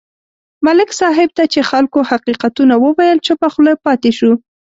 ملک صاحب ته چې خلکو حقیقتونه وویل، چوپه خوله پاتې شو.